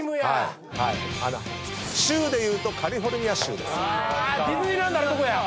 州でいうとカリフォルニア州です。